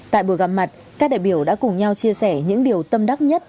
tại buổi gặp mặt các đại biểu đã cùng nhau chia sẻ những điều tâm đắc nhất